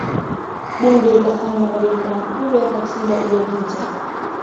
Bunge likafanya mabadiliko makubwa ya katiba iliyopita